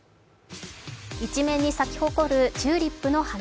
一面に咲き誇るチューリップの花。